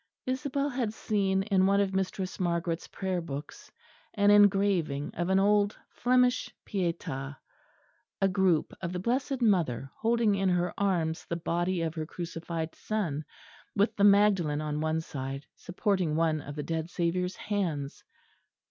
Isabel had seen in one of Mistress Margaret's prayer books an engraving of an old Flemish Pietà a group of the Blessed Mother holding in her arms the body of her Crucified Son, with the Magdalen on one side, supporting one of the dead Saviour's hands.